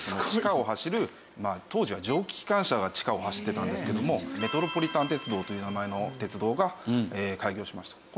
当時は蒸気機関車が地下を走ってたんですけどもメトロポリタン鉄道という名前の鉄道が開業しました。